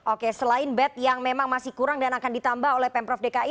oke selain bed yang memang masih kurang dan akan ditambah oleh pemprov dki